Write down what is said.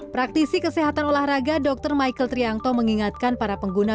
praktisi kesehatan olahraga dr michael triangto mengingatkan para pengguna